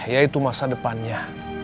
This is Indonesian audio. yaitu masa depannya